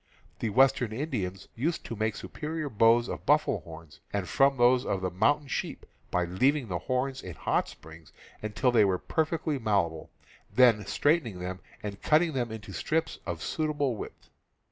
The western Indians used to make superior ^.. bows of buffalo horns, and from those T . of the mountain sheep, by leaving the horns in hot springs until they were perfectly malleable, then straightening them and cutting them into strips of suitable width.